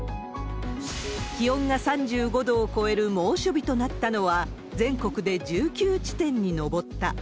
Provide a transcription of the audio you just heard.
気温が３５度を超える猛暑日となったのは、全国で１９地点に上った。